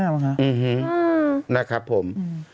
อื้อฮือนะครับผม